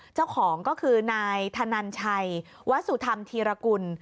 เจ้าของก็คือนายธนันชัยวสุธรรมธีรกุล